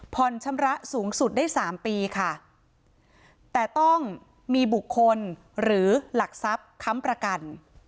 ชำระสูงสุดได้สามปีค่ะแต่ต้องมีบุคคลหรือหลักทรัพย์ค้ำประกัน